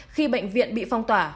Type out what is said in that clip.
khi bệnh viện bị phong tỏa